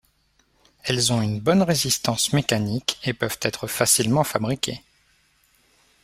Elles ont une bonne résistance mécanique et peuvent être facilement fabriquées.